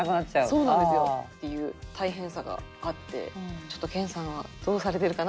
そうなんですよ。っていう大変さがあってちょっと研さんはどうされてるかな？